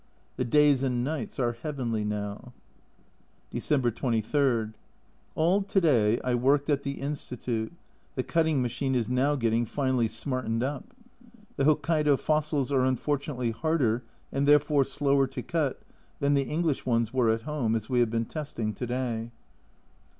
The days and nights are heavenly now. December 23. All to day I worked at the Institute the cutting machine is now getting finally smartened up. The Hokkaido fossils are unfortunately harder, and therefore slower to cut, than the English ones were at home, as we have been testing to day.